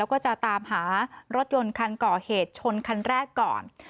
แล้วก็จะตามหารถยนต์คันก่อเหตุชนคันแรกก่อน